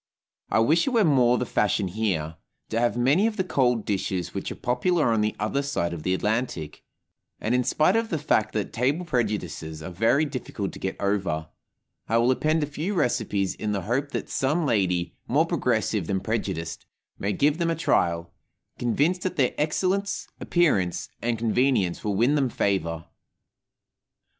I wish it were more the fashion here to have many of the cold dishes which are popular on the other side the Atlantic; and, in spite of the fact that table prejudices are very difficult to get over, I will append a few recipes in the hope that some lady, more progressive than prejudiced, may give them a trial, convinced that their excellence, appearance, and convenience will win them favor.